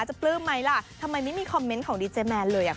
ปลื้มไหมล่ะทำไมไม่มีคอมเมนต์ของดีเจแมนเลยอ่ะ